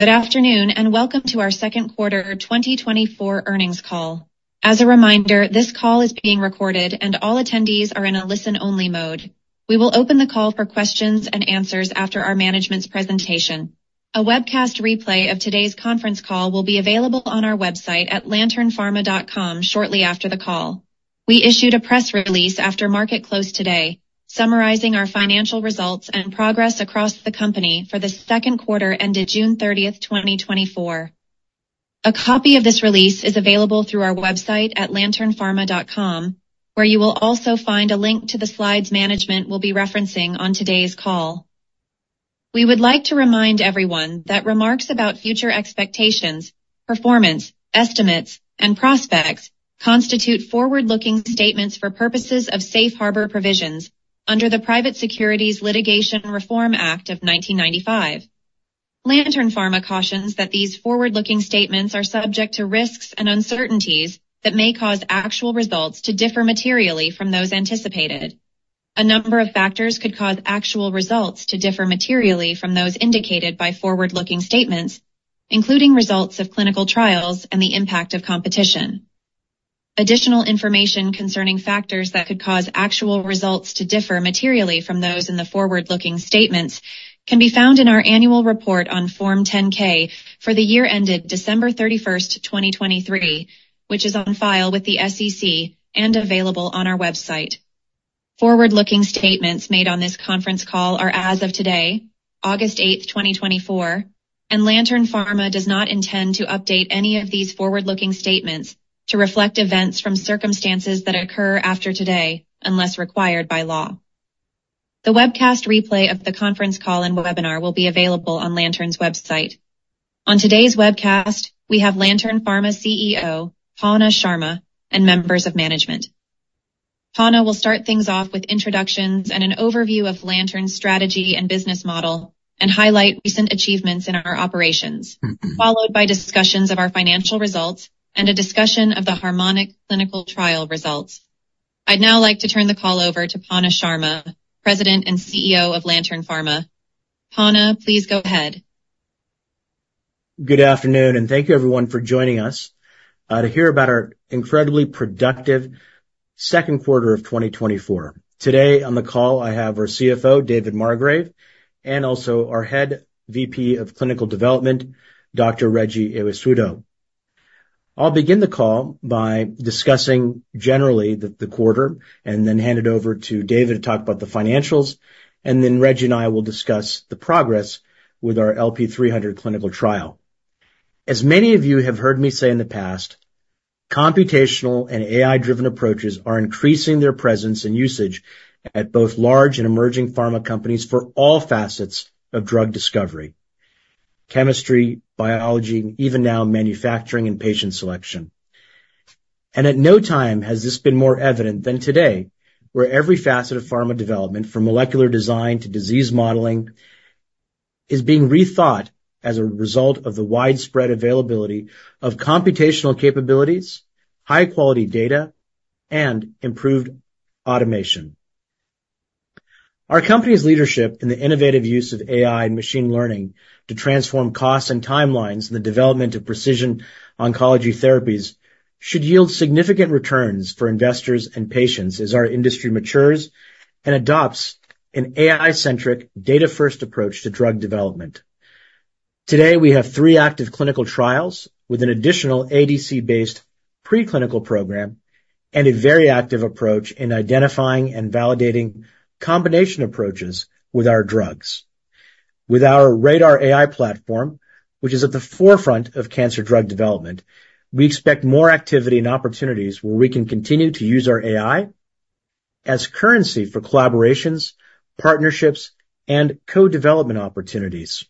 Good afternoon, and welcome to our Second Quarter 2024 Earnings Call. As a reminder, this call is being recorded and all attendees are in a listen-only mode. We will open the call for questions and answers after our management's presentation. A webcast replay of today's conference call will be available on our website at lanternpharma.com shortly after the call. We issued a press release after market close today, summarizing our financial results and progress across the company for the second quarter ended June 30, 2024. A copy of this release is available through our website at lanternpharma.com, where you will also find a link to the slides management will be referencing on today's call. We would like to remind everyone that remarks about future expectations, performance, estimates, and prospects constitute forward-looking statements for purposes of safe harbor provisions under the Private Securities Litigation Reform Act of 1995. Lantern Pharma cautions that these forward-looking statements are subject to risks and uncertainties that may cause actual results to differ materially from those anticipated. A number of factors could cause actual results to differ materially from those indicated by forward-looking statements, including results of clinical trials and the impact of competition. Additional information concerning factors that could cause actual results to differ materially from those in the forward-looking statements can be found in our annual report on Form 10-K for the year ended December 31, 2023, which is on file with the SEC and available on our website. Forward-looking statements made on this conference call are as of today, August 8, 2024, and Lantern Pharma does not intend to update any of these forward-looking statements to reflect events from circumstances that occur after today, unless required by law. The webcast replay of the conference call and webinar will be available on Lantern's website. On today's webcast, we have Lantern Pharma CEO, Panna Sharma, and members of management. Panna will start things off with introductions and an overview of Lantern's strategy and business model, and highlight recent achievements in our operations, followed by discussions of our financial results and a discussion of the HARMONIC clinical trial results. I'd now like to turn the call over to Panna Sharma, President and CEO of Lantern Pharma. Panna, please go ahead. Good afternoon, and thank you, everyone, for joining us to hear about our incredibly productive second quarter of 2024. Today, on the call, I have our CFO, David Margrave, and also our Head VP of Clinical Development, Dr. Reggie Ewesuedo. I'll begin the call by discussing generally the quarter and then hand it over to David to talk about the financials, and then Reggie and I will discuss the progress with our LP-300 clinical trial. As many of you have heard me say in the past, computational and AI-driven approaches are increasing their presence and usage at both large and emerging pharma companies for all facets of drug discovery, chemistry, biology, and even now, manufacturing and patient selection. At no time has this been more evident than today, where every facet of pharma development, from molecular design to disease modeling, is being rethought as a result of the widespread availability of computational capabilities, high-quality data, and improved automation. Our company's leadership in the innovative use of AI and machine learning to transform costs and timelines in the development of precision oncology therapies should yield significant returns for investors and patients as our industry matures and adopts an AI-centric, data-first approach to drug development. Today, we have three active clinical trials with an additional ADC-based preclinical program and a very active approach in identifying and validating combination approaches with our drugs. With our RADR AI platform, which is at the forefront of cancer drug development, we expect more activity and opportunities where we can continue to use our AI as currency for collaborations, partnerships, and co-development opportunities.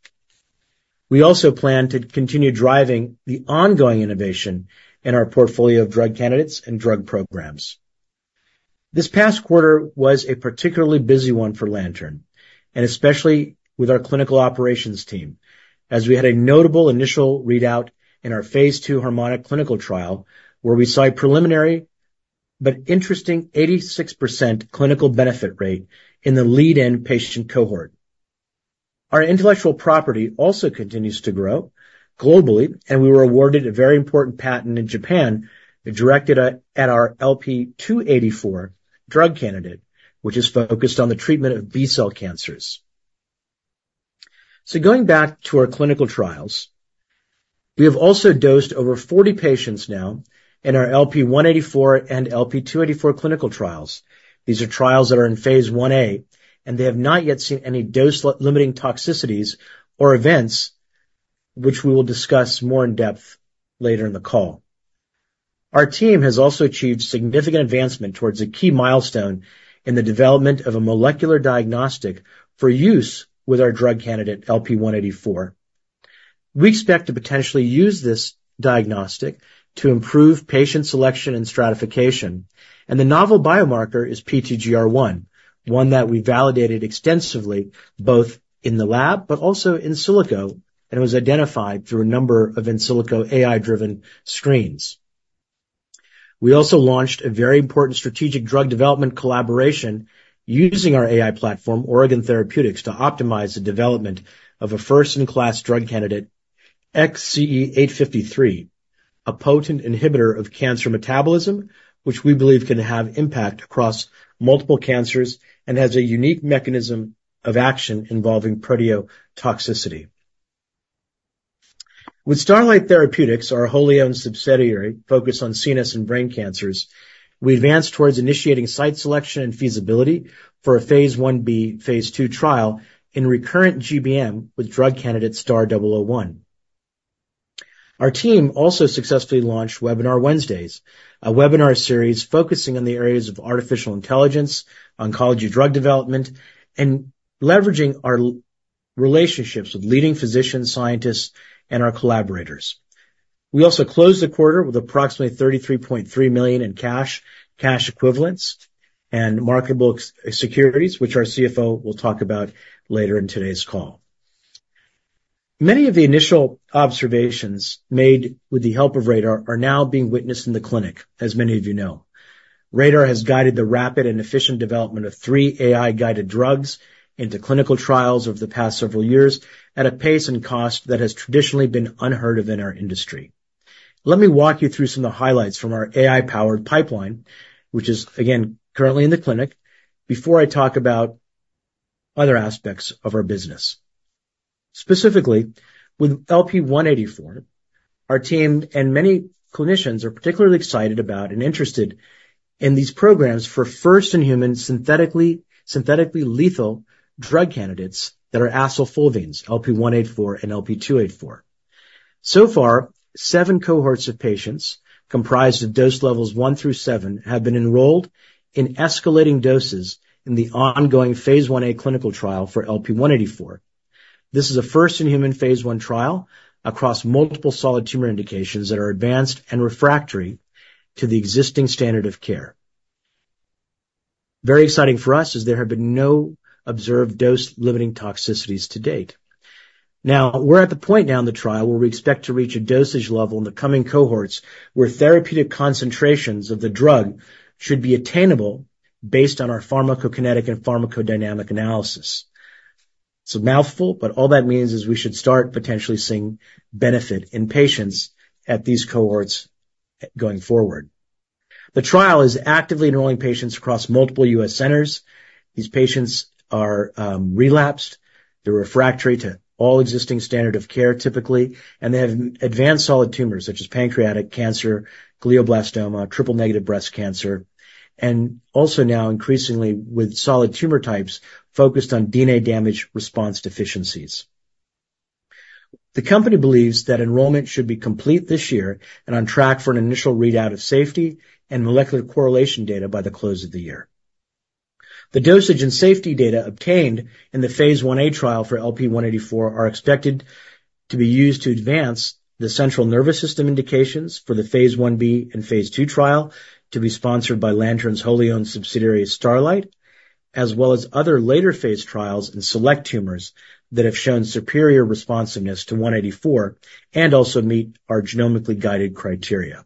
We also plan to continue driving the ongoing innovation in our portfolio of drug candidates and drug programs. This past quarter was a particularly busy one for Lantern, and especially with our clinical operations team, as we had a notable initial readout in our phase 2 HARMONIC clinical trial, where we saw a preliminary but interesting 86% clinical benefit rate in the lead-in patient cohort. Our intellectual property also continues to grow globally, and we were awarded a very important patent in Japan, directed at our LP-284 drug candidate, which is focused on the treatment of B-cell cancers. Going back to our clinical trials, we have also dosed over 40 patients now in our LP-184 and LP-284 clinical trials. These are trials that are in Phase 1a, and they have not yet seen any dose-limiting toxicities or events, which we will discuss more in depth later in the call. Our team has also achieved significant advancement towards a key milestone in the development of a molecular diagnostic for use with our drug candidate, LP-184. We expect to potentially use this diagnostic to improve patient selection and stratification, and the novel biomarker is PTGR1, one that we validated extensively, both in the lab but also in silico, and was identified through a number of in silico AI-driven screens. We also launched a very important strategic drug development collaboration using our AI platform, Oregon Therapeutics, to optimize the development of a first-in-class drug candidate, XCE853, a potent inhibitor of cancer metabolism, which we believe can have impact across multiple cancers and has a unique mechanism of action involving proteotoxicity. With Starlight Therapeutics, our wholly-owned subsidiary, focused on CNS and brain cancers, we advanced towards initiating site selection and feasibility for a phase 1b/phase 2 trial in recurrent GBM with drug candidate STR-001. Our team also successfully launched Webinar Wednesdays, a webinar series focusing on the areas of artificial intelligence, oncology drug development, and leveraging our relationships with leading physician scientists and our collaborators. We also closed the quarter with approximately $33.3 million in cash, cash equivalents, and marketable securities, which our CFO will talk about later in today's call. Many of the initial observations made with the help of RADR are now being witnessed in the clinic, as many of you know. RADR has guided the rapid and efficient development of three AI-guided drugs into clinical trials over the past several years at a pace and cost that has traditionally been unheard of in our industry. Let me walk you through some of the highlights from our AI-powered pipeline, which is, again, currently in the clinic, before I talk about other aspects of our business. Specifically, with LP-184, our team and many clinicians are particularly excited about and interested in these programs for first-in-human, synthetically lethal drug candidates that are acylfulvenes, LP-184 and LP-284. So far, 7 cohorts of patients, comprised of dose levels 1 through 7, have been enrolled in escalating doses in the ongoing Phase 1a clinical trial for LP-184. This is a first-in-human Phase 1 trial across multiple solid tumor indications that are advanced and refractory to the existing standard of care. Very exciting for us, as there have been no observed dose-limiting toxicities to date. Now, we're at the point in the trial where we expect to reach a dosage level in the coming cohorts, where therapeutic concentrations of the drug should be attainable based on our pharmacokinetic and pharmacodynamic analysis. It's a mouthful, but all that means is we should start potentially seeing benefit in patients at these cohorts going forward. The trial is actively enrolling patients across multiple U.S. centers. These patients are relapsed, they're refractory to all existing standard of care, typically, and they have advanced solid tumors such as pancreatic cancer, glioblastoma, triple-negative breast cancer, and also now increasingly with solid tumor types, focused on DNA damage response deficiencies. The company believes that enrollment should be complete this year and on track for an initial readout of safety and molecular correlation data by the close of the year. The dosage and safety data obtained in the phase 1a trial for LP-184 are expected to be used to advance the central nervous system indications for the phase 1b and phase 2 trial, to be sponsored by Lantern's wholly-owned subsidiary, Starlight, as well as other later-phase trials in select tumors that have shown superior responsiveness to LP-184, and also meet our genomically-guided criteria.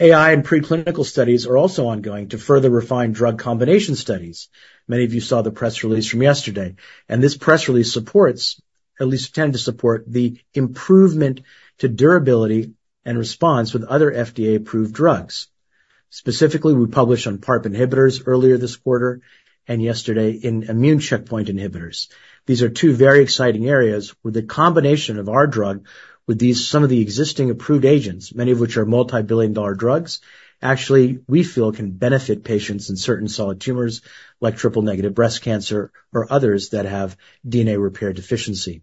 AI and preclinical studies are also ongoing to further refine drug combination studies. Many of you saw the press release from yesterday, and this press release supports, at least tend to support, the improvement to durability and response with other FDA-approved drugs. Specifically, we published on PARP inhibitors earlier this quarter, and yesterday in immune checkpoint inhibitors. These are two very exciting areas where the combination of our drug with these, some of the existing approved agents, many of which are multi-billion dollar drugs, actually, we feel, can benefit patients in certain solid tumors, like triple-negative breast cancer or others that have DNA repair deficiency.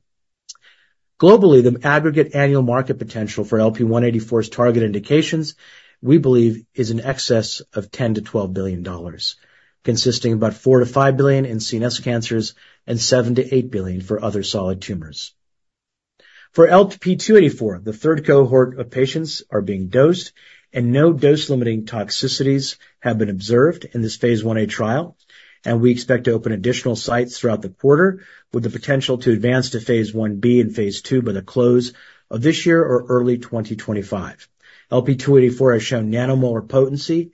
Globally, the aggregate annual market potential for LP-184's target indications, we believe, is in excess of $10-$12 billion, consisting of about $4-$5 billion in CNS cancers and $7-$8 billion for other solid tumors. For LP-284, the third cohort of patients are being dosed, and no dose-limiting toxicities have been observed in this Phase 1a trial, and we expect to open additional sites throughout the quarter, with the potential to advance to Phase 1b and Phase 2 by the close of this year or early 2025. LP-284 has shown nanomolar potency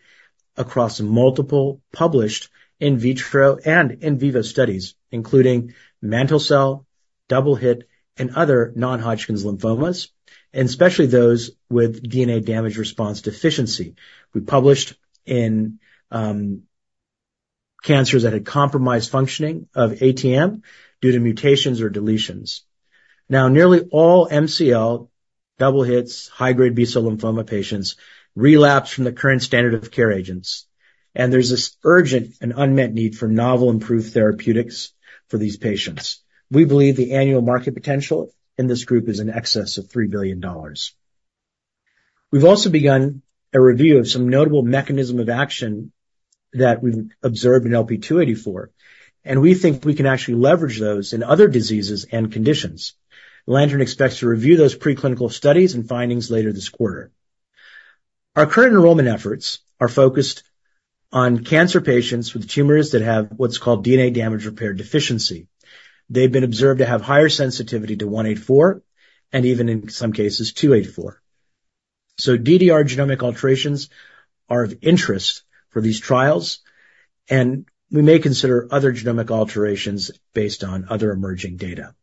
across multiple published in vitro and in vivo studies, including mantle cell, double-hit, and other non-Hodgkin's lymphomas, and especially those with DNA damage response deficiency. We published in cancers that had compromised functioning of ATM due to mutations or deletions. Now, nearly all MCL double-hits, high-grade B-cell lymphoma patients, relapse from the current standard of care agents, and there's this urgent and unmet need for novel improved therapeutics for these patients. We believe the annual market potential in this group is in excess of $3 billion. We've also begun a review of some notable mechanism of action that we've observed in LP-284, and we think we can actually leverage those in other diseases and conditions. Lantern expects to review those preclinical studies and findings later this quarter. Our current enrollment efforts are focused-... On cancer patients with tumors that have what's called DNA damage repair deficiency. They've been observed to have higher sensitivity to 184, and even in some cases, 284. So DDR genomic alterations are of interest for these trials, and we may consider other genomic alterations based on other emerging data.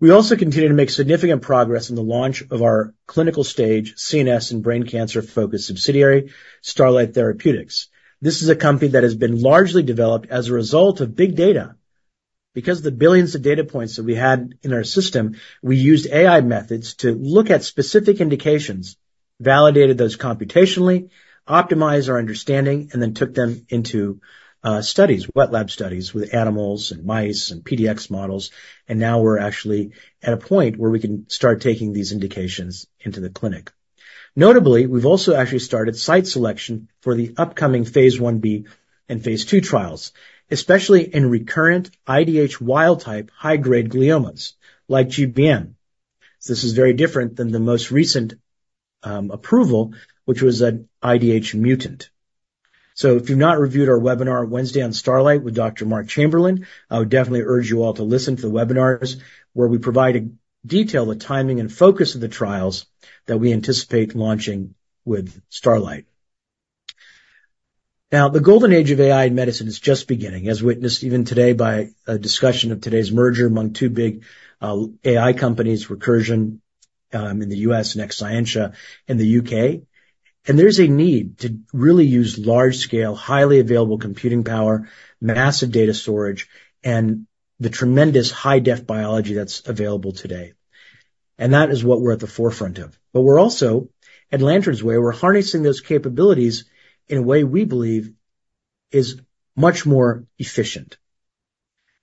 We also continue to make significant progress in the launch of our clinical-stage, CNS, and brain cancer-focused subsidiary, Starlight Therapeutics. This is a company that has been largely developed as a result of big data. Because the billions of data points that we had in our system, we used AI methods to look at specific indications, validated those computationally, optimized our understanding, and then took them into studies, wet lab studies with animals and mice and PDX models, and now we're actually at a point where we can start taking these indications into the clinic. Notably, we've also actually started site selection for the upcoming phase 1b and phase 2 trials, especially in recurrent IDH wild type high-grade gliomas like GBM. This is very different than the most recent approval, which was an IDH mutant. So if you've not reviewed our webinar Wednesday on Starlight with Dr. Marc Chamberlain, I would definitely urge you all to listen to the webinars, where we provide in detail the timing and focus of the trials that we anticipate launching with Starlight. Now, the golden age of AI in medicine is just beginning, as witnessed even today by a discussion of today's merger among two big, AI companies, Recursion, in the U.S., and Exscientia in the U.K. And there's a need to really use large-scale, highly available computing power, massive data storage, and the tremendous high-def biology that's available today, and that is what we're at the forefront of. But we're also, at Lantern's way, we're harnessing those capabilities in a way we believe is much more efficient.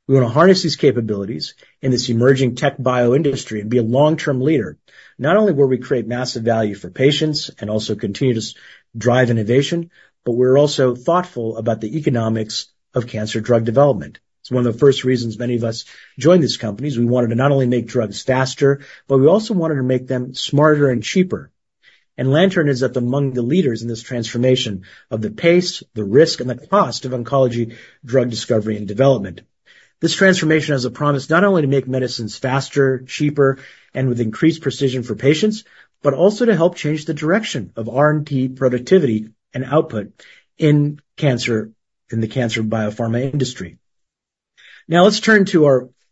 We want to harness these capabilities in this emerging tech bio industry and be a long-term leader, not only where we create massive value for patients and also continue to drive innovation, but we're also thoughtful about the economics of cancer drug development. It's one of the first reasons many of us joined these companies. We wanted to not only make drugs faster, but we also wanted to make them smarter and cheaper. Lantern is at the, among the leaders in this transformation of the pace, the risk, and the cost of oncology drug discovery and development. This transformation has a promise not only to make medicines faster, cheaper, and with increased precision for patients, but also to help change the direction of R&D productivity and output in cancer, in the cancer biopharma industry. Now, let's turn to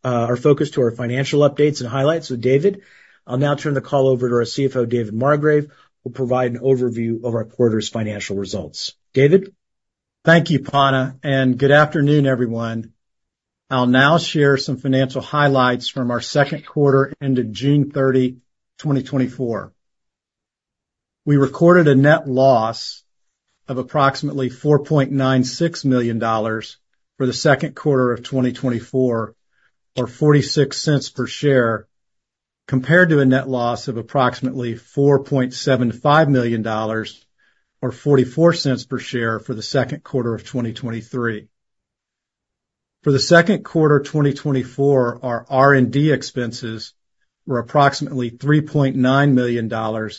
our focus to our financial updates and highlights with David. I'll now turn the call over to our CFO, David Margrave, who'll provide an overview of our quarter's financial results. David? Thank you, Panna, and good afternoon, everyone. I'll now share some financial highlights from our second quarter ended June 30, 2024. We recorded a net loss of approximately $4.96 million for the second quarter of 2024, or $0.46 per share, compared to a net loss of approximately $4.75 million, or $0.44 per share for the second quarter of 2023. For the second quarter of 2024, our R&D expenses were approximately $3.9 million,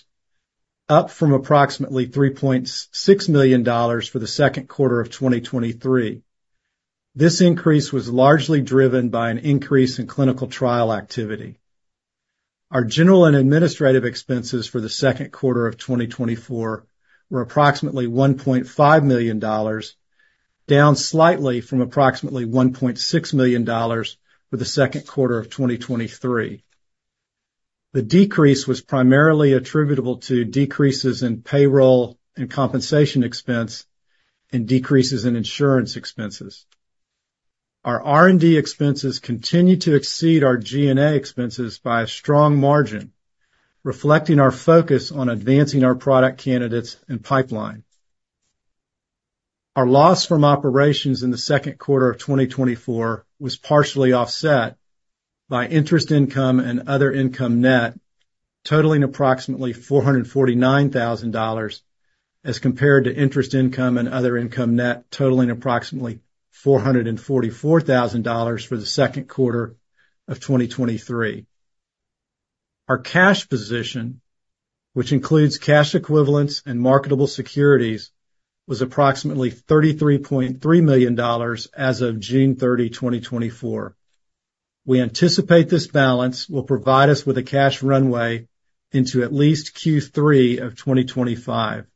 up from approximately $3.6 million for the second quarter of 2023. This increase was largely driven by an increase in clinical trial activity. Our general and administrative expenses for the second quarter of 2024 were approximately $1.5 million, down slightly from approximately $1.6 million for the second quarter of 2023. The decrease was primarily attributable to decreases in payroll and compensation expense and decreases in insurance expenses. Our R&D expenses continue to exceed our G&A expenses by a strong margin, reflecting our focus on advancing our product, candidates, and pipeline. Our loss from operations in the second quarter of 2024 was partially offset by interest income and other income net, totaling approximately $449,000, as compared to interest income and other income net, totaling approximately $444,000 for the second quarter of 2023. Our cash position, which includes cash equivalents and marketable securities, was approximately $33.3 million as of June 30, 2024. We anticipate this balance will provide us with a cash runway into at least Q3 of 2025.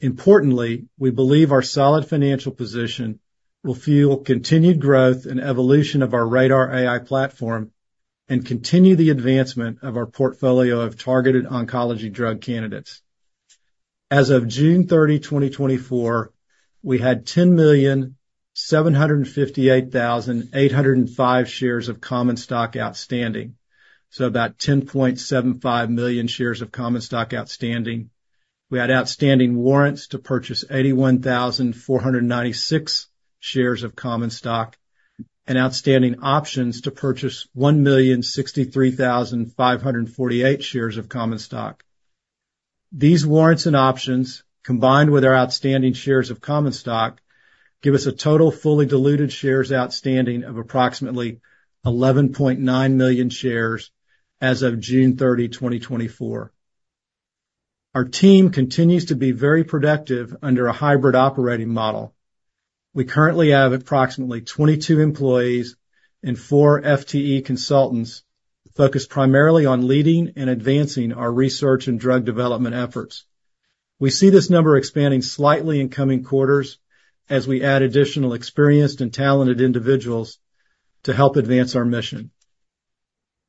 Importantly, we believe our solid financial position will fuel continued growth and evolution of our RADR AI platform and continue the advancement of our portfolio of targeted oncology drug candidates. As of June 30, 2024, we had 10,758,805 shares of common stock outstanding, so about 10.75 million shares of common stock outstanding. We had outstanding warrants to purchase 81,496 shares of common stock and outstanding options to purchase 1,063,548 shares of common stock. These warrants and options, combined with our outstanding shares of common stock, give us a total fully diluted shares outstanding of approximately 11.9 million shares as of June 30, 2024. ...Our team continues to be very productive under a hybrid operating model. We currently have approximately 22 employees and four FTE consultants focused primarily on leading and advancing our research and drug development efforts. We see this number expanding slightly in coming quarters as we add additional experienced and talented individuals to help advance our mission.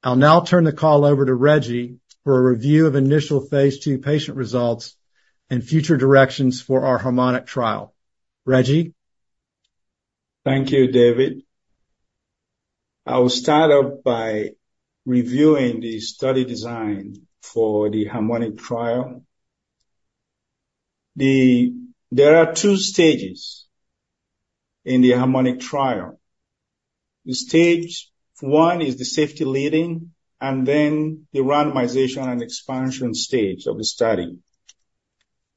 I'll now turn the call over to Reggie for a review of initial phase 2 patient results and future directions for our HARMONIC trial. Reggie? Thank you, David. I will start off by reviewing the study design for the HARMONIC trial. There are two stages in the HARMONIC trial. Stage one is the safety lead-in and then the randomization and expansion stage of the study.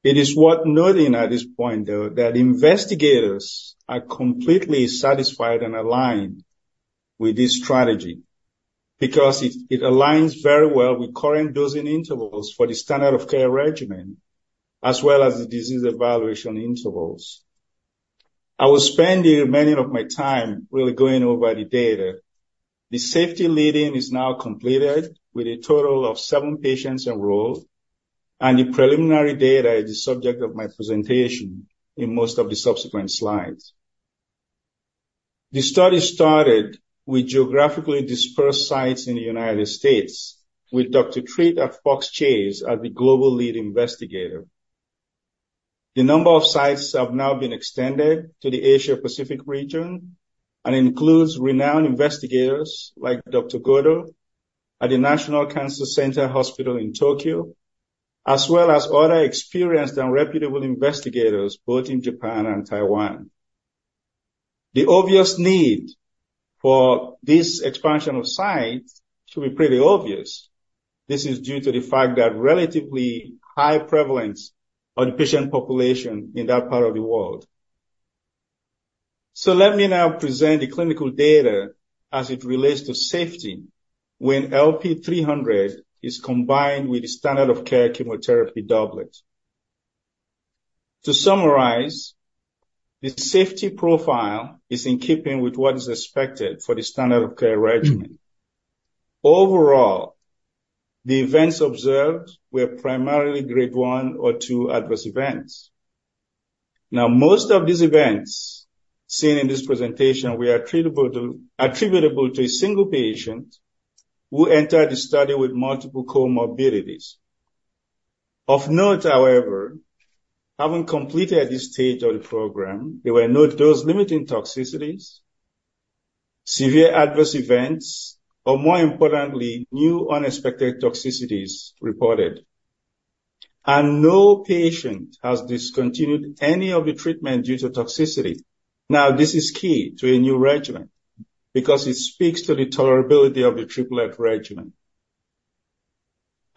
It is worth noting at this point, though, that investigators are completely satisfied and aligned with this strategy because it aligns very well with current dosing intervals for the standard of care regimen, as well as the disease evaluation intervals. I will spend the remaining of my time really going over the data. The safety lead-in is now completed with a total of seven patients enrolled, and the preliminary data is the subject of my presentation in most of the subsequent slides. The study started with geographically dispersed sites in the United States, with Dr. Treat at Fox Chase as the global lead investigator. The number of sites have now been extended to the Asia-Pacific region and includes renowned investigators like Dr. Goto at the National Cancer Center Hospital in Tokyo, as well as other experienced and reputable investigators, both in Japan and Taiwan. The obvious need for this expansion of sites should be pretty obvious. This is due to the fact that relatively high prevalence of the patient population in that part of the world. So let me now present the clinical data as it relates to safety when LP-300 is combined with the standard of care chemotherapy doublet. To summarize, the safety profile is in keeping with what is expected for the standard of care regimen. Overall, the events observed were primarily grade one or two adverse events. Now, most of these events seen in this presentation were attributable to a single patient who entered the study with multiple comorbidities. Of note, however, having completed this stage of the program, there were no dose-limiting toxicities, severe adverse events, or more importantly, new unexpected toxicities reported. No patient has discontinued any of the treatment due to toxicity. Now, this is key to a new regimen because it speaks to the tolerability of the triplet regimen.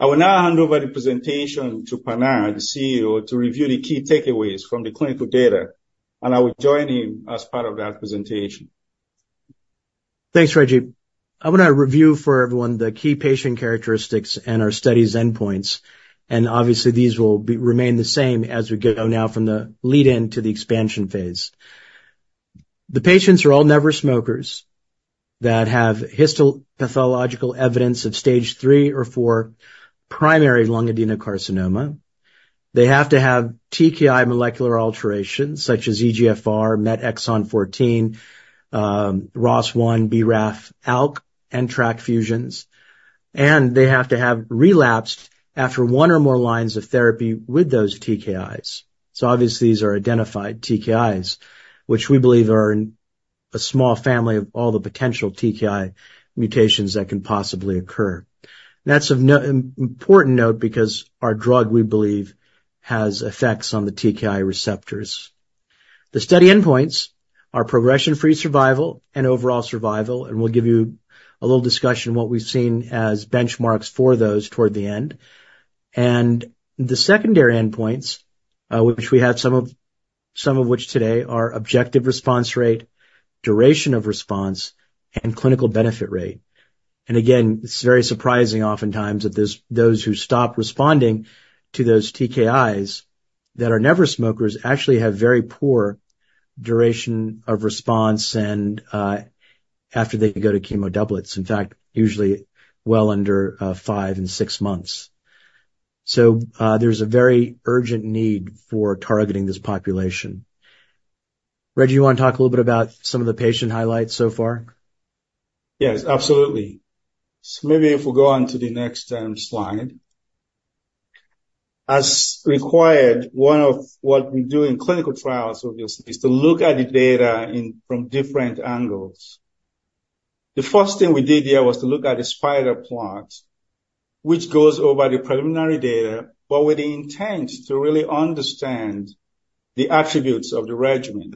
I will now hand over the presentation to Panna, the CEO, to review the key takeaways from the clinical data, and I will join him as part of that presentation. Thanks, Reggie. I wanna review for everyone the key patient characteristics and our study's endpoints, and obviously, these will remain the same as we go now from the lead in to the expansion phase. The patients are all never smokers that have histopathological evidence of stage three or four primary lung adenocarcinoma. They have to have TKI molecular alterations such as EGFR, MET Exon 14, ROS1, BRAF, ALK, and TRK fusions. They have to have relapsed after one or more lines of therapy with those TKIs. So obviously, these are identified TKIs, which we believe are a small family of all the potential TKI mutations that can possibly occur. That's of no important note because our drug, we believe, has effects on the TKI receptors. The study endpoints are progression-free survival and overall survival, and we'll give you a little discussion on what we've seen as benchmarks for those toward the end. The secondary endpoints, which we have some of, some of which today are objective response rate, duration of response, and clinical benefit rate. Again, it's very surprising oftentimes that those who stop responding to those TKIs that are never smokers actually have very poor duration of response and after they go to chemo doublets. In fact, usually well under five and six months. So there's a very urgent need for targeting this population. Reggie, you wanna talk a little bit about some of the patient highlights so far? Yes, absolutely. So maybe if we go on to the next slide. As required, one of what we do in clinical trials, obviously, is to look at the data from different angles. The first thing we did here was to look at the spider plot, which goes over the preliminary data, but with the intent to really understand the attributes of the regimen.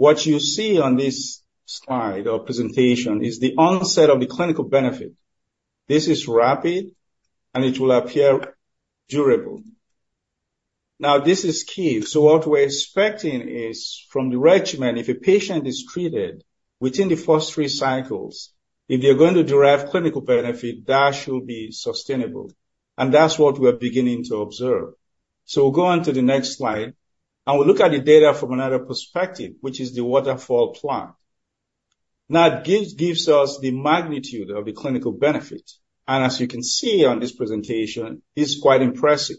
What you see on this slide or presentation is the onset of the clinical benefit. This is rapid, and it will appear durable. Now, this is key. So what we're expecting is from the regimen, if a patient is treated within the first three cycles, if they are going to derive clinical benefit, that should be sustainable, and that's what we're beginning to observe. So we'll go on to the next slide, and we'll look at the data from another perspective, which is the waterfall plot. Now, it gives us the magnitude of the clinical benefit, and as you can see on this presentation, it's quite impressive.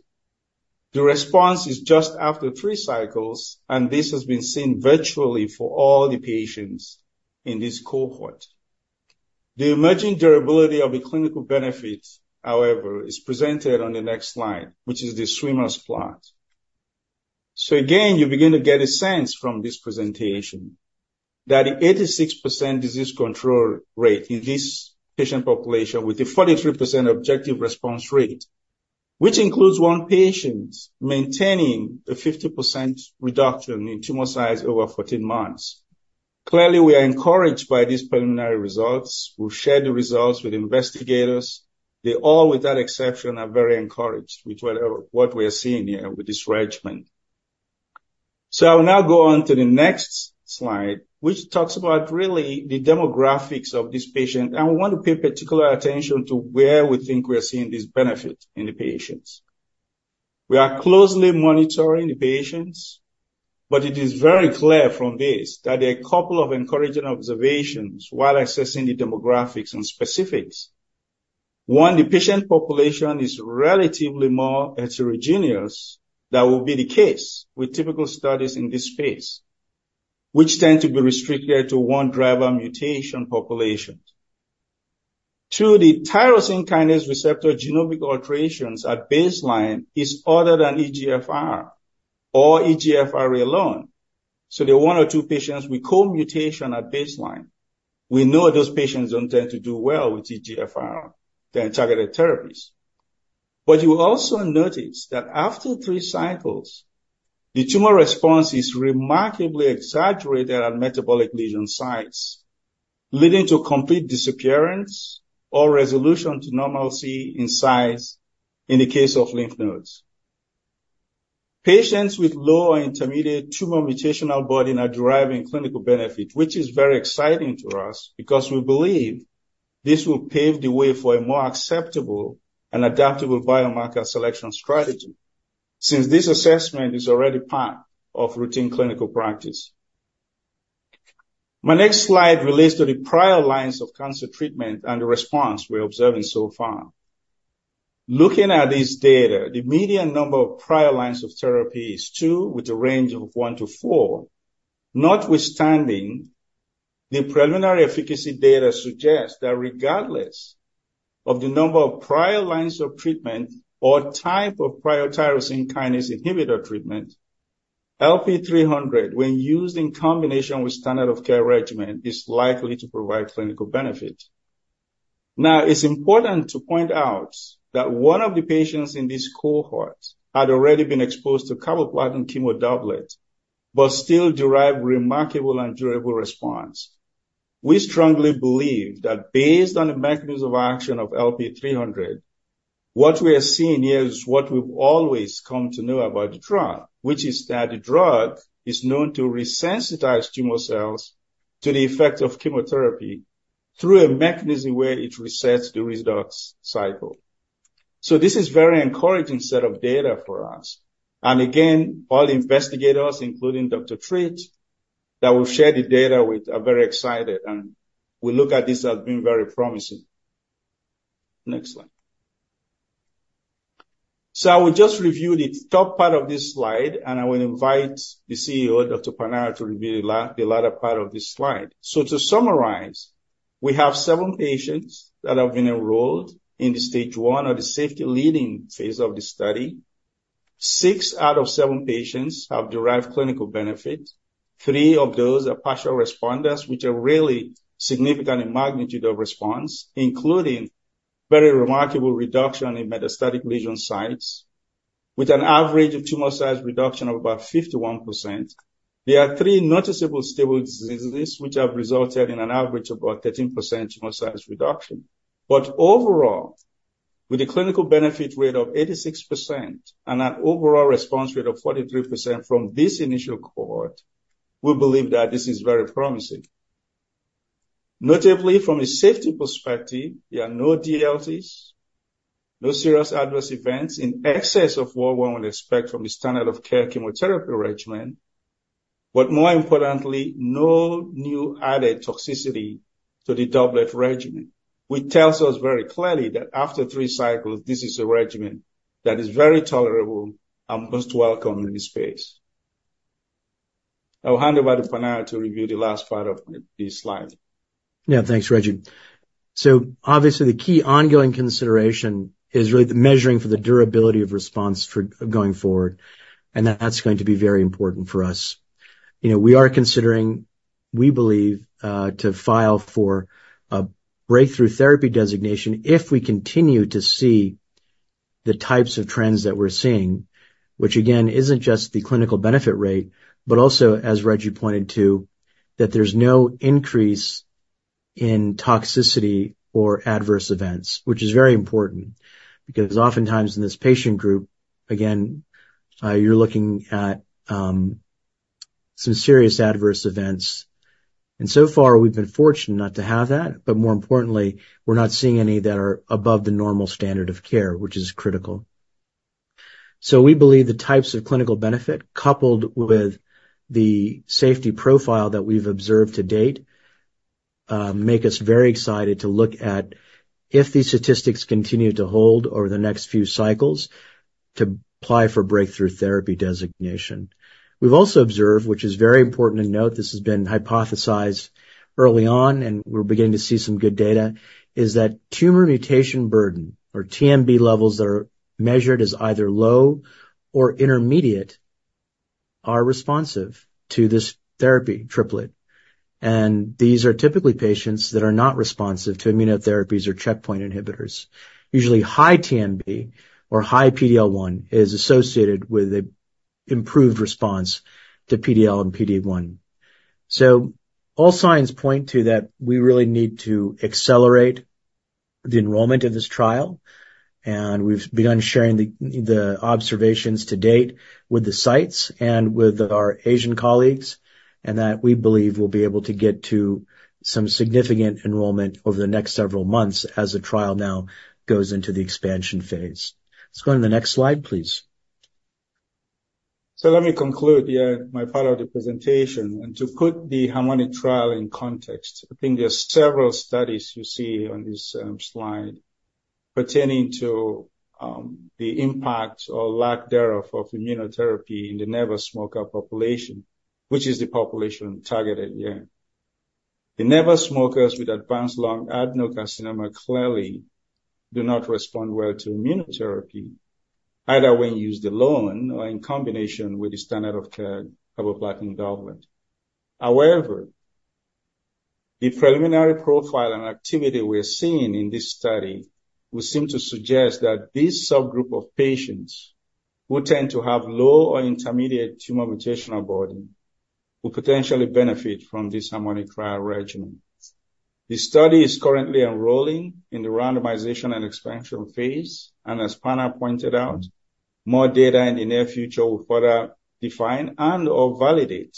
The response is just after 3 cycles, and this has been seen virtually for all the patients in this cohort. The emerging durability of the clinical benefit, however, is presented on the next slide, which is the swimmer's plot. So again, you begin to get a sense from this presentation that the 86% disease control rate in this patient population with a 43% objective response rate, which includes one patient maintaining a 50% reduction in tumor size over 14 months. Clearly, we are encouraged by these preliminary results. We've shared the results with investigators. They all, without exception, are very encouraged with what we are seeing here with this regimen. So I'll now go on to the next slide, which talks about really the demographics of this patient, and I want to pay particular attention to where we think we are seeing this benefit in the patients. We are closely monitoring the patients, but it is very clear from this that there are a couple of encouraging observations while assessing the demographics and specifics. One, the patient population is relatively more heterogeneous. That will be the case with typical studies in this space, which tend to be restricted to one driver mutation populations. Two, the tyrosine kinase receptor genomic alterations at baseline is other than EGFR or EGFR alone. So the 1 or 2 patients we call mutation at baseline, we know those patients don't tend to do well with EGFR, the targeted therapies. But you will also notice that after 3 cycles, the tumor response is remarkably exaggerated at metabolic lesion sites, leading to complete disappearance or resolution to normalcy in size in the case of lymph nodes. Patients with low or intermediate tumor mutational burden are deriving clinical benefit, which is very exciting to us because we believe this will pave the way for a more acceptable and adaptable biomarker selection strategy, since this assessment is already part of routine clinical practice. My next slide relates to the prior lines of cancer treatment and the response we're observing so far. Looking at this data, the median number of prior lines of therapy is 2, with a range of 1 to 4. Notwithstanding, the preliminary efficacy data suggests that regardless of the number of prior lines of treatment or type of prior tyrosine kinase inhibitor treatment, LP-300, when used in combination with standard of care regimen, is likely to provide clinical benefit. Now, it's important to point out that one of the patients in this cohort had already been exposed to carboplatin chemo doublet but still derived remarkable and durable response. We strongly believe that based on the mechanism of action of LP-300, what we are seeing here is what we've always come to know about the drug, which is that the drug is known to resensitize tumor cells to the effect of chemotherapy through a mechanism where it resets the redox cycle. So this is very encouraging set of data for us. And again, all the investigators, including Dr. Treat, that we've shared the data with, are very excited, and we look at this as being very promising. Next slide. So I will just review the top part of this slide, and I will invite the CEO, Dr. Sharma, to review the latter part of this slide. So to summarize, we have 7 patients that have been enrolled in the stage one or the safety leading phase of the study. 6 out of 7 patients have derived clinical benefit. 3 of those are partial responders, which are really significant in magnitude of response, including very remarkable reduction in metastatic lesion sites, with an average tumor size reduction of about 51%. There are 3 noticeable stable diseases which have resulted in an average of about 13% tumor size reduction. Overall, with a clinical benefit rate of 86% and an overall response rate of 43% from this initial cohort, we believe that this is very promising. Notably, from a safety perspective, there are no DLTs, no serious adverse events in excess of what one would expect from the standard of care chemotherapy regimen, but more importantly, no new added toxicity to the doublet regimen, which tells us very clearly that after 3 cycles, this is a regimen that is very tolerable and most welcome in this space. I will hand over to Panna to review the last part of this slide. Yeah, thanks, Reggie. So obviously, the key ongoing consideration is really the measuring for the durability of response for going forward, and that's going to be very important for us. You know, we are considering, we believe, to file for a Breakthrough Therapy Designation if we continue to see the types of trends that we're seeing, which again, isn't just the clinical benefit rate, but also, as Reggie pointed to, that there's no increase in toxicity or adverse events, which is very important, because oftentimes in this patient group, again, you're looking at some serious adverse events. And so far, we've been fortunate not to have that, but more importantly, we're not seeing any that are above the normal standard of care, which is critical. So we believe the types of clinical benefit, coupled with the safety profile that we've observed to date, make us very excited to look at if these statistics continue to hold over the next few cycles, to apply for breakthrough therapy designation. We've also observed, which is very important to note, this has been hypothesized early on, and we're beginning to see some good data, is that tumor mutation burden, or TMB levels, that are measured as either low or intermediate, are responsive to this therapy triplet. And these are typically patients that are not responsive to immunotherapies or checkpoint inhibitors. Usually, high TMB or high PD-L1 is associated with a improved response to PD-L1 and PD-1. So all signs point to that we really need to accelerate the enrollment of this trial, and we've begun sharing the observations to date with the sites and with our Asian colleagues, and that we believe we'll be able to get to some significant enrollment over the next several months as the trial now goes into the expansion phase. Let's go on to the next slide, please. So let me conclude here, my part of the presentation, and to put the HARMONIC trial in context. I think there are several studies you see on this slide pertaining to the impact or lack thereof of immunotherapy in the never smoker population, which is the population targeted here. The never smokers with advanced lung adenocarcinoma clearly do not respond well to immunotherapy, either when used alone or in combination with the standard of care carboplatin doublet. However, the preliminary profile and activity we're seeing in this study would seem to suggest that this subgroup of patients, who tend to have low or intermediate tumor mutational burden, will potentially benefit from this HARMONIC trial regimen. The study is currently enrolling in the randomization and expansion phase, and as Panna pointed out, more data in the near future will further define and/or validate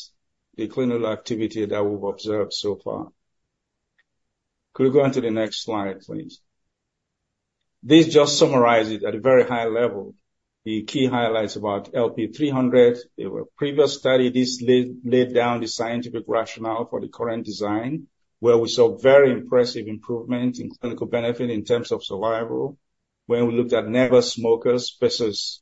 the clinical activity that we've observed so far. Could we go on to the next slide, please? This just summarizes at a very high level the key highlights about LP-300. In a previous study, this laid down the scientific rationale for the current design, where we saw very impressive improvement in clinical benefit in terms of survival when we looked at never smokers versus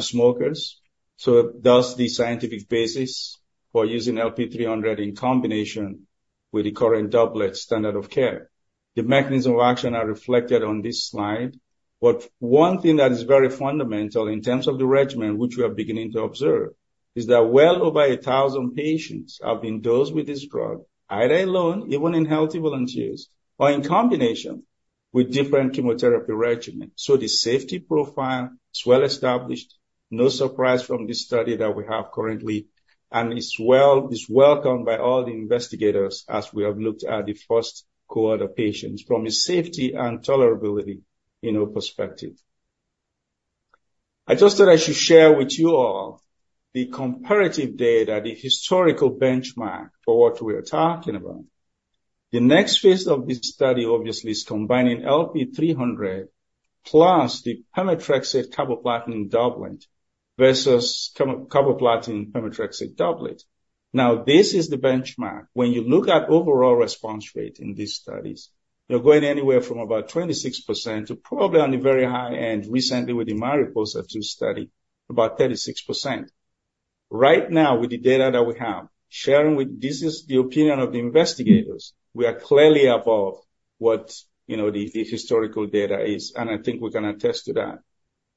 smokers. Thus, the scientific basis for using LP-300 in combination with the current doublet standard of care. The mechanism of action are reflected on this slide. But one thing that is very fundamental in terms of the regimen, which we are beginning to observe, is that well over 1,000 patients have been dosed with this drug, either alone, even in healthy volunteers, or in combination with different chemotherapy regimens. So the safety profile is well established. No surprise from this study that we have currently, and it's well welcomed by all the investigators as we have looked at the first cohort of patients from a safety and tolerability, you know, perspective. I just thought I should share with you all the comparative data, the historical benchmark for what we are talking about. The next phase of this study, obviously, is combining LP-300 plus the pemetrexed carboplatin doublet versus carboplatin pemetrexed doublet. Now, this is the benchmark. When you look at overall response rate in these studies, you're going anywhere from about 26% to probably on the very high end, recently with the Mariposa 2 study, about 36%. Right now, with the data that we have, sharing with... This is the opinion of the investigators, we are clearly above what, you know, the, the historical data is, and I think we can attest to that.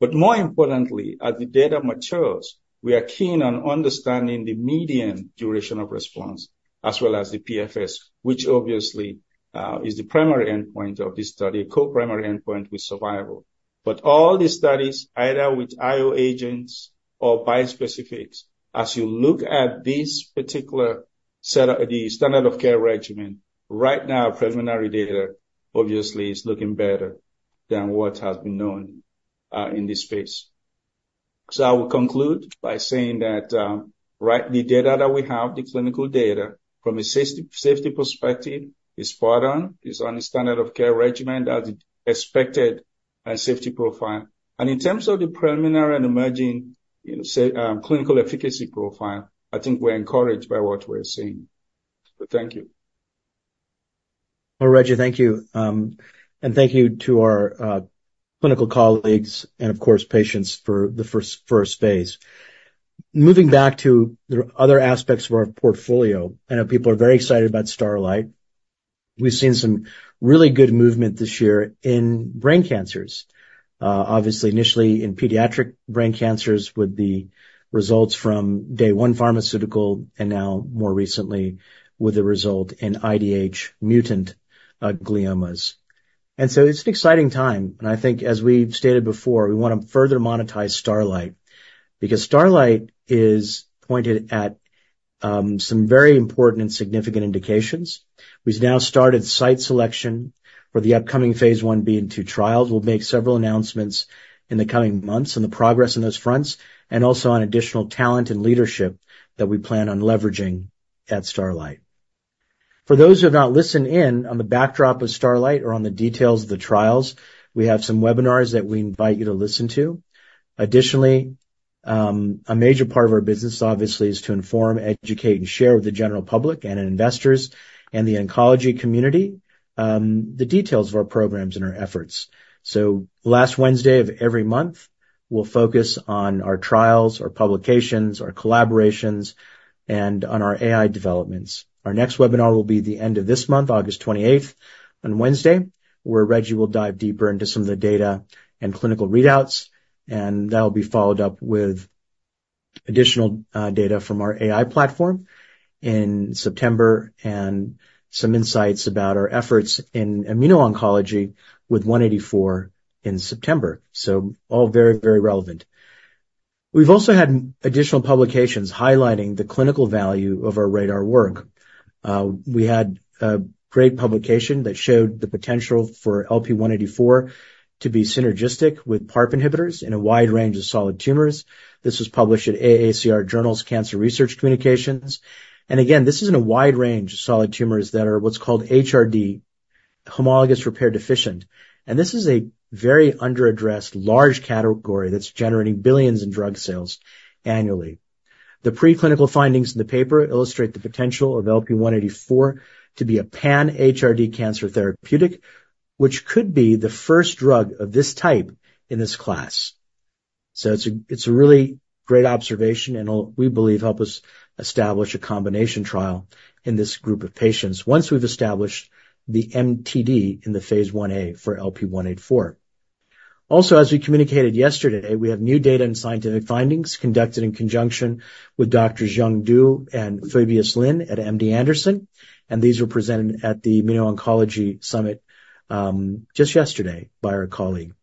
But more importantly, as the data matures, we are keen on understanding the median duration of response, as well as the PFS, which obviously is the primary endpoint of this study, co-primary endpoint with survival. But all these studies, either with IO agents or bispecifics, as you look at this particular set up, the standard of care regimen, right now, preliminary data obviously is looking better than what has been known in this space. So I will conclude by saying that, right, the data that we have, the clinical data, from a safety, safety perspective, is spot on, is on the standard of care regimen as expected and safety profile. And in terms of the preliminary and emerging, you know, clinical efficacy profile, I think we're encouraged by what we're seeing. So thank you. Well, Reggie, thank you. And thank you to our clinical colleagues and of course, patients for the first phase. Moving back to the other aspects of our portfolio, I know people are very excited about Starlight. We've seen some really good movement this year in brain cancers. Obviously, initially in pediatric brain cancers with the results from Day One Biopharmaceuticals, and now more recently with the result in IDH mutant gliomas. And so it's an exciting time, and I think as we've stated before, we wanna further monetize Starlight, because Starlight is pointed at some very important and significant indications. We've now started site selection for the upcoming phase 1b and 2 trials. We'll make several announcements in the coming months on the progress on those fronts, and also on additional talent and leadership that we plan on leveraging at Starlight. For those who have not listened in on the backdrop of Starlight or on the details of the trials, we have some webinars that we invite you to listen to. Additionally, a major part of our business, obviously, is to inform, educate, and share with the general public and investors and the oncology community, the details of our programs and our efforts. So last Wednesday of every month, we'll focus on our trials, our publications, our collaborations, and on our AI developments. Our next webinar will be the end of this month, August 28th, on Wednesday, where Reggie will dive deeper into some of the data and clinical readouts, and that'll be followed up with additional data from our AI platform in September, and some insights about our efforts in immuno-oncology with 184 in September. So all very, very relevant. We've also had additional publications highlighting the clinical value of our Radar work. We had a great publication that showed the potential for LP-184 to be synergistic with PARP inhibitors in a wide range of solid tumors. This was published at AACR Journals Cancer Research Communications. And again, this is in a wide range of solid tumors that are what's called HRD, homologous repair deficient, and this is a very under-addressed, large category that's generating billions in drug sales annually. The preclinical findings in the paper illustrate the potential of LP-184 to be a pan HRD cancer therapeutic, which could be the first drug of this type in this class. So it's a really great observation, and it'll, we believe, help us establish a combination trial in this group of patients, once we've established the MTD in the Phase 1a for LP-184. Also, as we communicated yesterday, we have new data and scientific findings conducted in conjunction with Doctors Yong Du and Phoebus Lin at MD Anderson, and these were presented at the Immuno-Oncology Summit just yesterday by our colleague.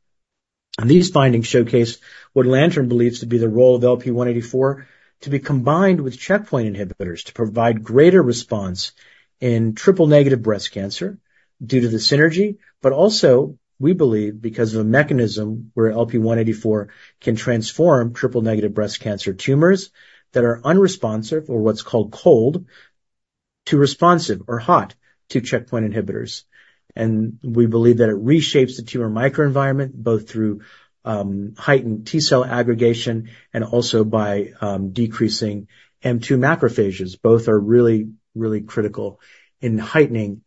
These findings showcase what Lantern believes to be the role of LP-184 to be combined with checkpoint inhibitors to provide greater response in triple-negative breast cancer due to the synergy, but also, we believe, because of a mechanism where LP-184 can transform triple-negative breast cancer tumors that are unresponsive, or what's called cold, to responsive or hot to checkpoint inhibitors. We believe that it reshapes the tumor microenvironment, both through heightened T-cell aggregation and also by decreasing M2 macrophages. Both are really, really critical in heightening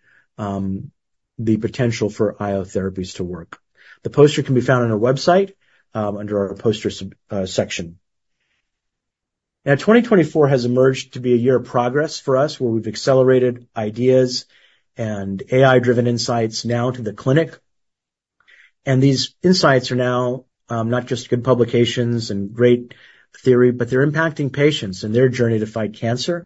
the potential for IO therapies to work. The poster can be found on our website under our Posters section. Now, 2024 has emerged to be a year of progress for us, where we've accelerated ideas and AI-driven insights now to the clinic, and these insights are now not just good publications and great theory, but they're impacting patients in their journey to fight cancer,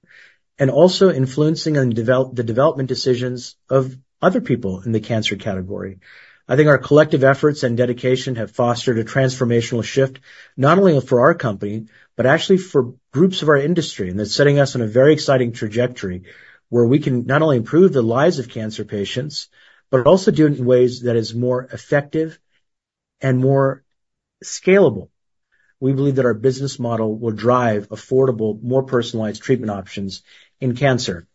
and also influencing on the development decisions of other people in the cancer category. I think our collective efforts and dedication have fostered a transformational shift, not only for our company, but actually for groups of our industry, and that's setting us on a very exciting trajectory, where we can not only improve the lives of cancer patients, but also do it in ways that is more effective and more scalable. We believe that our business model will drive affordable, more personalized treatment options in cancer.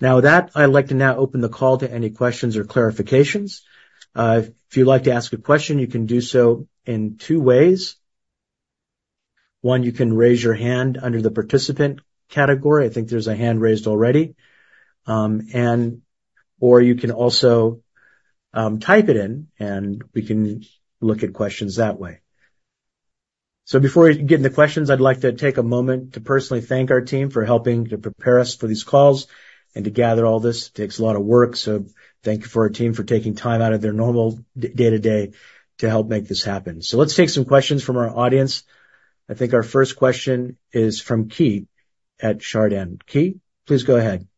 Now with that, I'd like to now open the call to any questions or clarifications. If you'd like to ask a question, you can do so in two ways. One, you can raise your hand under the participant category. I think there's a hand raised already. Or you can also type it in, and we can look at questions that way. So before we get into questions, I'd like to take a moment to personally thank our team for helping to prepare us for these calls and to gather all this. Takes a lot of work, so thank you for our team for taking time out of their normal day-to-day to help make this happen. So let's take some questions from our audience. I think our first question is from Keith at Chardan. Keith, please go ahead.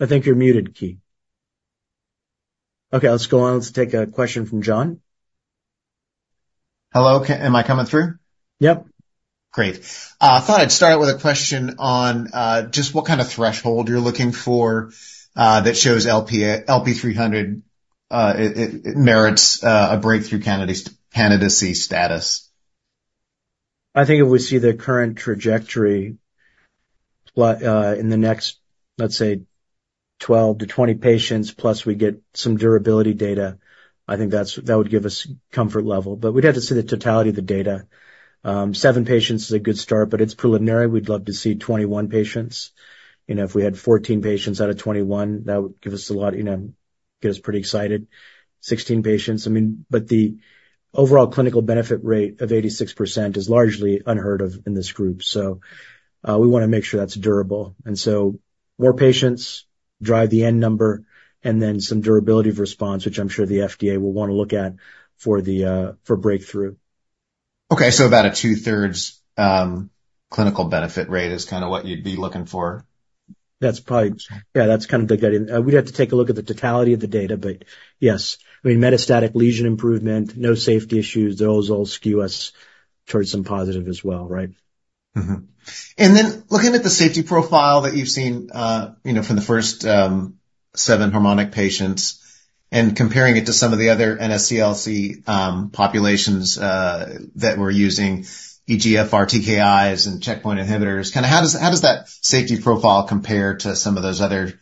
I think you're muted, Keith. Okay, let's go on. Let's take a question from John. Hello, am I coming through? Yep. Great. I thought I'd start out with a question on just what kind of threshold you're looking for that shows LP-300 it merits a breakthrough candidacy status. I think if we see the current trajectory, in the next, let's say, 12-20 patients, plus we get some durability data, I think that would give us comfort level. But we'd have to see the totality of the data. Seven patients is a good start, but it's preliminary. We'd love to see 21 patients. You know, if we had 14 patients out of 21, that would give us a lot, you know, get us pretty excited. 16 patients, I mean... But the overall clinical benefit rate of 86% is largely unheard of in this group. So, we wanna make sure that's durable. And so more patients drive the N number, and then some durability of response, which I'm sure the FDA will wanna look at for the, for breakthrough.... Okay, so about a two-thirds clinical benefit rate is kind of what you'd be looking for? That's probably, yeah, that's kind of the guiding. We'd have to take a look at the totality of the data, but yes, I mean, metastatic lesion improvement, no safety issues, those all skew us towards some positive as well, right? Mm-hmm. And then looking at the safety profile that you've seen, you know, from the first seven HARMONIC patients and comparing it to some of the other NSCLC populations that were using EGFR TKIs and checkpoint inhibitors, kind of how does that safety profile compare to some of those other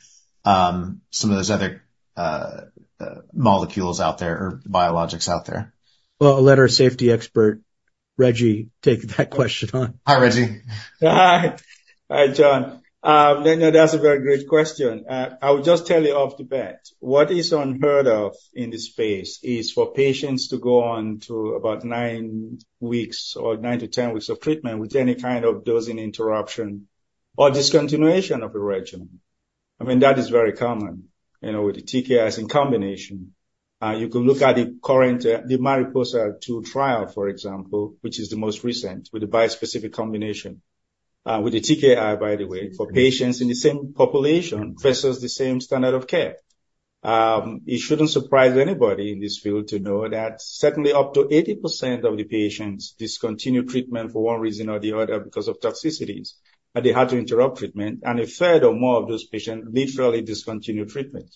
molecules out there or biologics out there? Well, I'll let our safety expert, Reggie, take that question on. Hi, Reggie. Hi. Hi, John. No, that's a very great question. I will just tell you off the bat, what is unheard of in this space is for patients to go on to about 9 weeks or 9-10 weeks of treatment with any kind of dosing interruption or discontinuation of the regimen. I mean, that is very common, you know, with the TKIs in combination. You can look at the current, the Mariposa 2 trial, for example, which is the most recent with the bispecific combination, with the TKI, by the way, for patients in the same population versus the same standard of care. It shouldn't surprise anybody in this field to know that certainly up to 80% of the patients discontinue treatment for one reason or the other because of toxicities, and they had to interrupt treatment, and a third or more of those patients literally discontinued treatment.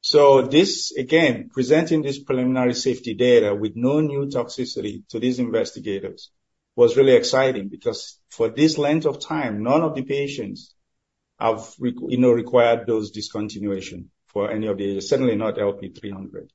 So this, again, presenting this preliminary safety data with no new toxicity to these investigators, was really exciting because for this length of time, none of the patients have re- you know, required those discontinuation for any of the... Certainly not LP-300.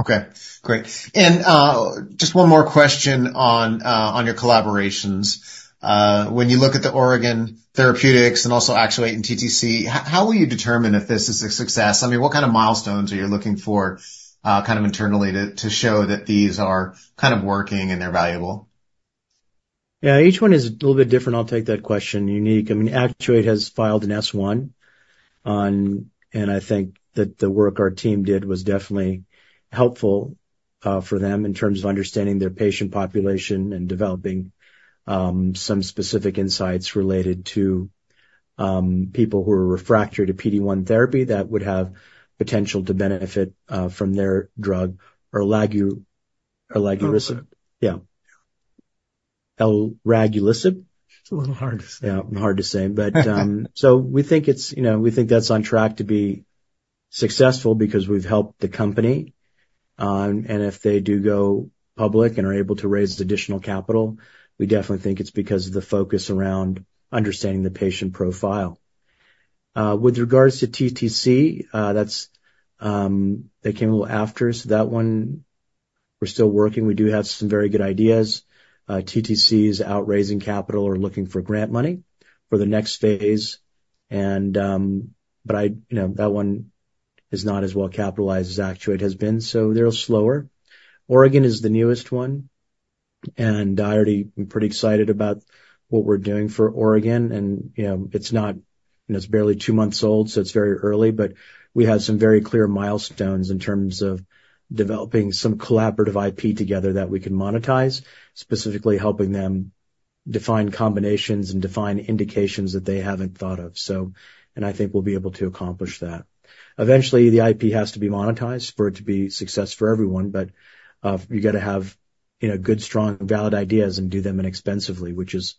Okay, great. And just one more question on your collaborations. When you look at the Oregon Therapeutics and also Actuate and TTC, how will you determine if this is a success? I mean, what kind of milestones are you looking for kind of internally to show that these are kind of working and they're valuable? Yeah, each one is a little bit different. I'll take that question. Unique. I mean, Actuate has filed an S-1 on, and I think that the work our team did was definitely helpful, for them in terms of understanding their patient population and developing, some specific insights related to, people who are refractory to PD-1 therapy that would have potential to benefit, from their drug or elraglusib. Yeah. Elraglusib. It's a little hard to say. Yeah, hard to say. But, so we think it's, you know, we think that's on track to be successful because we've helped the company. And if they do go public and are able to raise additional capital, we definitely think it's because of the focus around understanding the patient profile. With regards to TTC, that's, they came a little after, so that one, we're still working. We do have some very good ideas. TTC is out raising capital or looking for grant money for the next phase. And, but I... You know, that one is not as well capitalized as Actuate has been, so they're slower. Oregon is the newest one, and I already am pretty excited about what we're doing for Oregon. You know, it's not, you know, it's barely two months old, so it's very early, but we have some very clear milestones in terms of developing some collaborative IP together that we can monetize, specifically helping them define combinations and define indications that they haven't thought of. So... I think we'll be able to accomplish that. Eventually, the IP has to be monetized for it to be a success for everyone, but you got to have, you know, good, strong, valid ideas and do them inexpensively, which is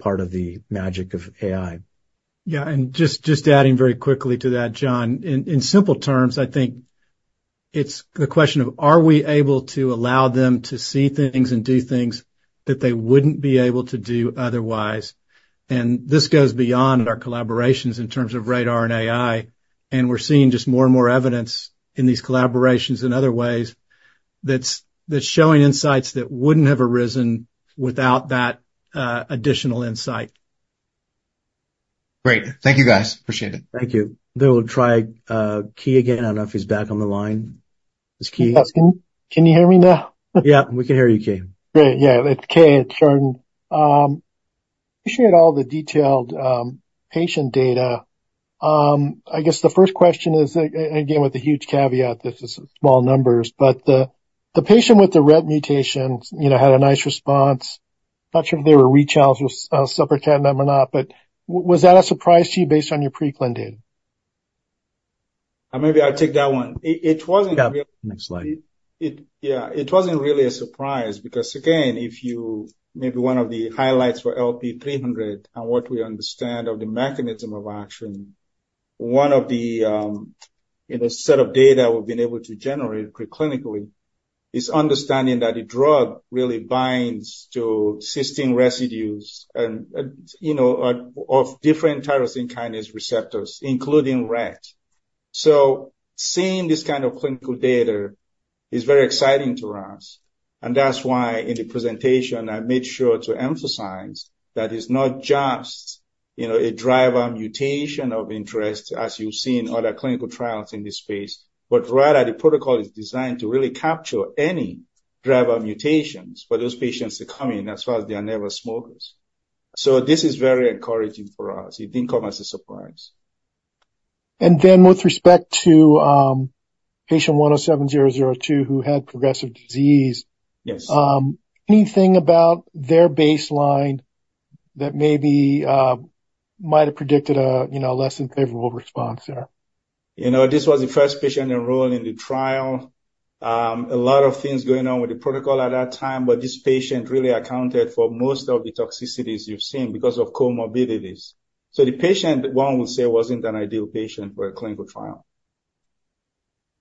part of the magic of AI. Yeah, and just adding very quickly to that, John. In simple terms, I think it's the question of: Are we able to allow them to see things and do things that they wouldn't be able to do otherwise? And this goes beyond our collaborations in terms of RADR and AI, and we're seeing just more and more evidence in these collaborations in other ways that's showing insights that wouldn't have arisen without that additional insight. Great. Thank you, guys. Appreciate it. Thank you. Then we'll try, Keith again. I don't know if he's back on the line. It's Keith? Can you hear me now? Yeah, we can hear you, Keith. Great. Yeah, it's Keith. Appreciate all the detailed patient data. I guess the first question is, again, with the huge caveat, this is small numbers, but the patient with the RET mutations, you know, had a nice response. Not sure if they were rechallenged with selpercatinib or not, but was that a surprise to you based on your preclinical data? Maybe I'll take that one. It wasn't- Yeah. Next slide. Yeah, it wasn't really a surprise, because, again, maybe one of the highlights for LP-300 and what we understand of the mechanism of action, one of the, you know, set of data we've been able to generate pre-clinically is understanding that the drug really binds to cysteine residues and, you know, of different tyrosine kinase receptors, including RET. So seeing this kind of clinical data is very exciting to us, and that's why, in the presentation, I made sure to emphasize that it's not just, you know, a driver mutation of interest, as you've seen other clinical trials in this space, but rather, the protocol is designed to really capture any driver mutations for those patients to come in as far as they are never smokers. So this is very encouraging for us. It didn't come as a surprise. ...And then with respect to patient 107002, who had progressive disease. Yes. Anything about their baseline that maybe might have predicted a, you know, less than favorable response there? You know, this was the first patient enrolled in the trial. A lot of things going on with the protocol at that time, but this patient really accounted for most of the toxicities you've seen because of comorbidities. So the patient, one would say, wasn't an ideal patient for a clinical trial.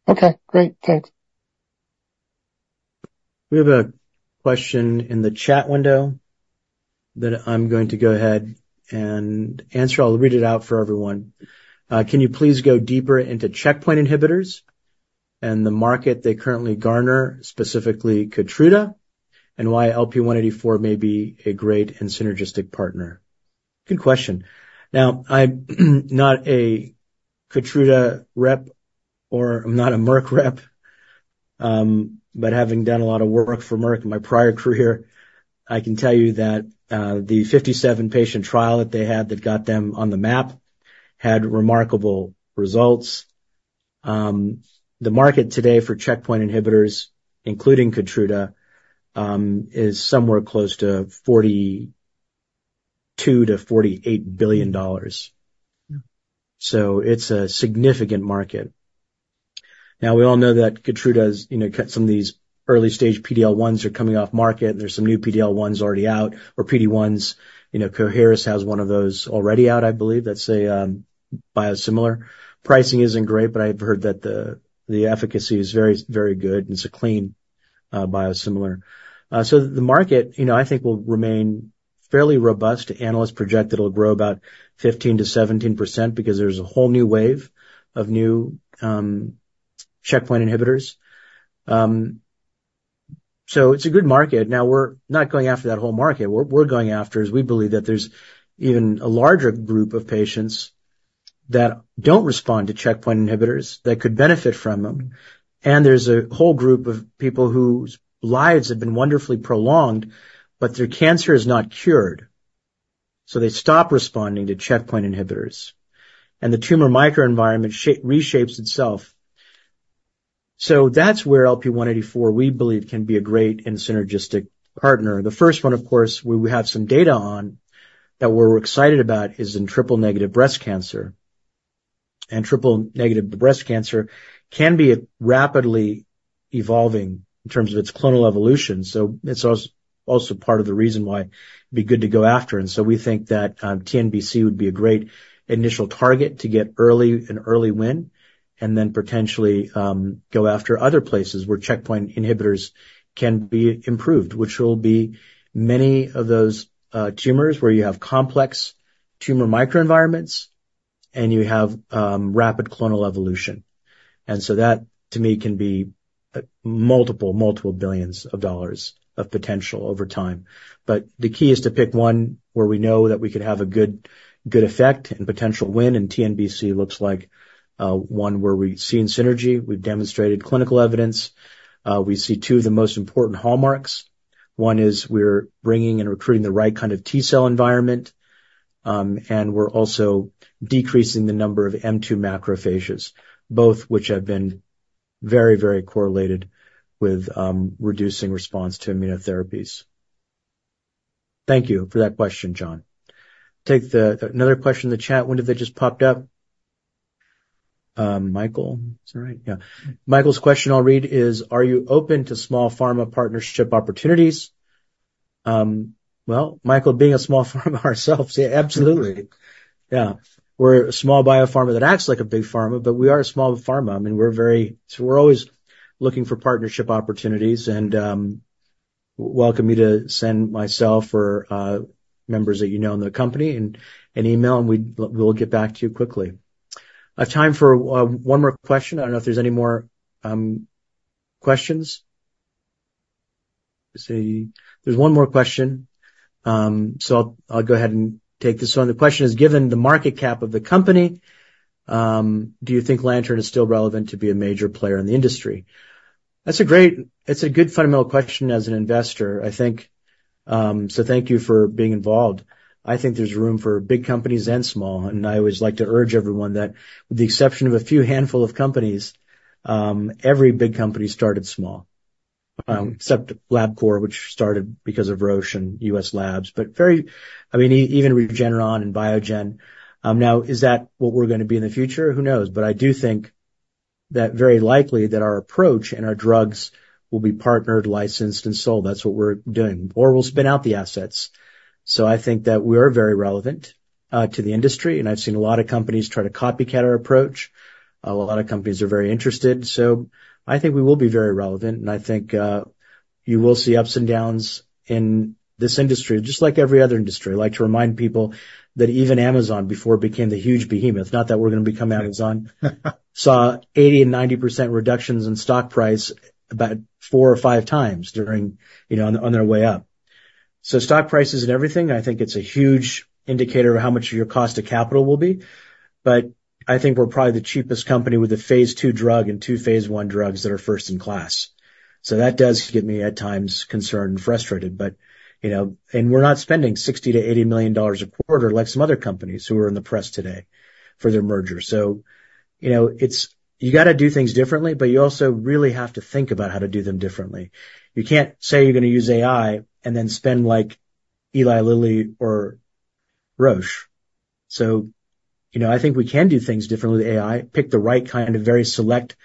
Okay, great. Thanks. We have a question in the chat window that I'm going to go ahead and answer. I'll read it out for everyone. Can you please go deeper into checkpoint inhibitors and the market they currently garner, specifically Keytruda, and why LP-184 may be a great and synergistic partner? Good question. Now, I'm not a Keytruda rep, or I'm not a Merck rep, but having done a lot of work for Merck in my prior career, I can tell you that, the 57-patient trial that they had that got them on the map had remarkable results. The market today for checkpoint inhibitors, including Keytruda, is somewhere close to $42 billion-$48 billion. So it's a significant market. Now, we all know that Keytruda's, you know, cut some of these early-stage PD-L1s are coming off market, and there's some new PD-L1s already out, or PD-1s. You know, Coherus has one of those already out, I believe. That's a biosimilar. Pricing isn't great, but I've heard that the efficacy is very, very good, and it's a clean biosimilar. So the market, you know, I think, will remain fairly robust. Analysts project it'll grow about 15%-17% because there's a whole new wave of new checkpoint inhibitors. So it's a good market. Now, we're not going after that whole market. What we're going after is, we believe that there's even a larger group of patients that don't respond to checkpoint inhibitors that could benefit from them, and there's a whole group of people whose lives have been wonderfully prolonged, but their cancer is not cured, so they stop responding to checkpoint inhibitors, and the tumor microenvironment reshapes itself. So that's where LP-184, we believe, can be a great and synergistic partner. The first one, of course, where we have some data on, that we're excited about, is in triple-negative breast cancer. And triple-negative breast cancer can be rapidly evolving in terms of its clonal evolution, so it's also part of the reason why it'd be good to go after. We think that TNBC would be a great initial target to get early, an early win, and then potentially go after other places where checkpoint inhibitors can be improved, which will be many of those tumors where you have complex tumor microenvironments, and you have rapid clonal evolution. That, to me, can be multiple, multiple $ billions of potential over time. But the key is to pick one where we know that we could have a good, good effect and potential win, and TNBC looks like one where we've seen synergy, we've demonstrated clinical evidence. We see two of the most important hallmarks. One is we're bringing and recruiting the right kind of T-cell environment, and we're also decreasing the number of M2 macrophages, both which have been very, very correlated with reducing response to immunotherapies. Thank you for that question, John. Take another question in the chat, one that just popped up. Michael, is that right? Yeah. Michael's question I'll read is: Are you open to small pharma partnership opportunities? Well, Michael, being a small pharma ourselves, yeah, absolutely. Yeah. We're a small biopharma that acts like a big pharma, but we are a small pharma. I mean, we're very... So we're always looking for partnership opportunities and welcome you to send myself or members that you know in the company an email, and we'll get back to you quickly. I've time for one more question. I don't know if there's any more questions. Let's see. There's one more question. So I'll go ahead and take this one. The question is: Given the market cap of the company, do you think Lantern is still relevant to be a major player in the industry? That's a great... It's a good fundamental question as an investor, I think. So thank you for being involved. I think there's room for big companies and small, and I always like to urge everyone that with the exception of a few handful of companies, every big company started small. Except LabCorp, which started because of Roche and US Labs, but very... I mean, even Regeneron and Biogen. Now, is that what we're going to be in the future? Who knows? But I do think that very likely that our approach and our drugs will be partnered, licensed, and sold. That's what we're doing, or we'll spin out the assets. So I think that we are very relevant to the industry, and I've seen a lot of companies try to copycat our approach. A lot of companies are very interested, so I think we will be very relevant, and I think you will see ups and downs in this industry, just like every other industry. I like to remind people that even Amazon, before it became the huge behemoth, not that we're going to become Amazon, saw 80% and 90% reductions in stock price about four or five times during, you know, on their way up. So stock prices and everything, I think it's a huge indicator of how much your cost of capital will be, but I think we're probably the cheapest company with a phase II drug and two phase I drugs that are first in class. So that does get me, at times, concerned and frustrated, but, you know. And we're not spending $60 million-$80 million a quarter like some other companies who are in the press today for their merger. So you know, it's, you gotta do things differently, but you also really have to think about how to do them differently. You can't say you're gonna use AI and then spend like Eli Lilly or Roche. So, you know, I think we can do things differently with AI, pick the right kind of very select,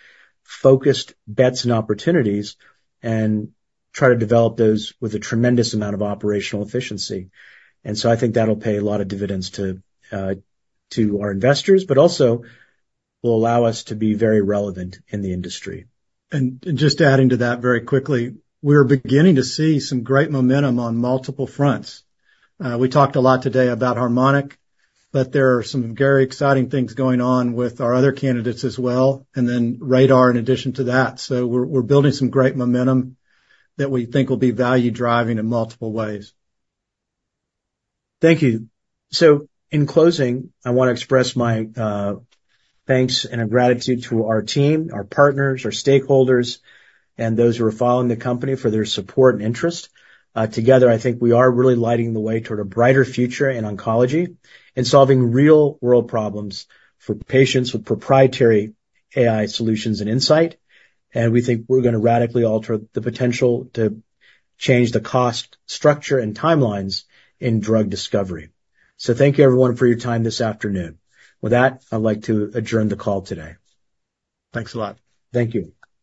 focused bets and opportunities, and try to develop those with a tremendous amount of operational efficiency. And so I think that'll pay a lot of dividends to to our investors, but also will allow us to be very relevant in the industry. And just adding to that very quickly, we're beginning to see some great momentum on multiple fronts. We talked a lot today about HARMONIC, but there are some very exciting things going on with our other candidates as well, and then RADR in addition to that. So we're building some great momentum that we think will be value-driving in multiple ways. Thank you. So in closing, I wanna express my thanks and our gratitude to our team, our partners, our stakeholders, and those who are following the company for their support and interest. Together, I think we are really lighting the way toward a brighter future in oncology and solving real-world problems for patients with proprietary AI solutions and insight. And we think we're gonna radically alter the potential to change the cost, structure, and timelines in drug discovery. So thank you, everyone, for your time this afternoon. With that, I'd like to adjourn the call today. Thanks a lot. Thank you.